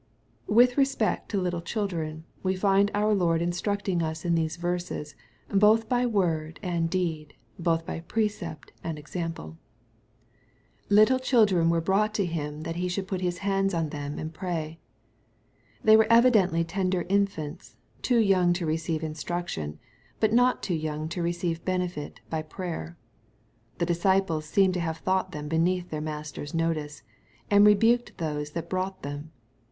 With respect to little children, we find our Lord in structing us in these verses, both by word and deed, both by precept and example, "Little children were brought to him, that he should put his hands on them and pary." They were evidently tender infants, too young to receive instruction, but not too young to receive benefit by prayer. The disciples seem to have thought them beneath their Master's notice, and rebuked those that brought them.